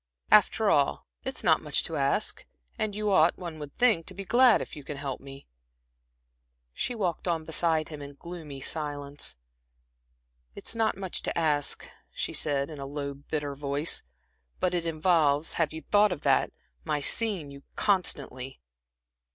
"After all, it is not much to ask, and you ought, one would think, to be glad if you can help me." She walked on beside him in gloomy silence. "It's not much to ask," she said, in a low, bitter voice, "but it involves have you thought of that? my seeing you constantly."